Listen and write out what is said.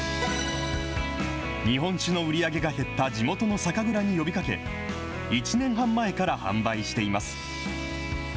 日本酒の売り上げが減った地元の酒蔵に呼びかけ、１年半前から販売しています。